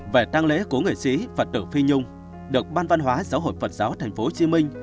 về tăng lễ của người sĩ phật tử phi nhung được ban văn hóa giáo hội phật giáo tp hcm